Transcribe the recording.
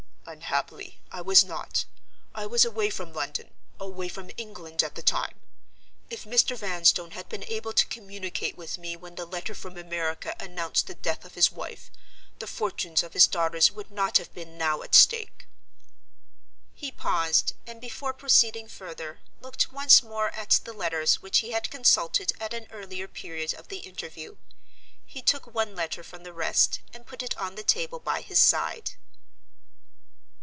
"Unhappily, I was not. I was away from London—away from England at the time. If Mr. Vanstone had been able to communicate with me when the letter from America announced the death of his wife, the fortunes of his daughters would not have been now at stake." He paused, and, before proceeding further, looked once more at the letters which he had consulted at an earlier period of the interview. He took one letter from the rest, and put it on the table by his side.